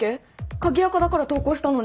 鍵アカだから投稿したのに！